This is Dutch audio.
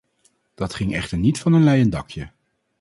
Dat ging echter niet van een leien dakje.